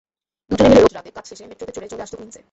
দুজনে মিলে রোজ রাতে কাজ শেষে মেট্রোতে চড়ে চলে আসত কুইন্সে।